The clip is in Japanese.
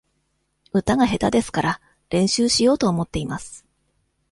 歌が下手ですから、練習しようと思っています。